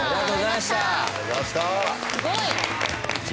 すごい！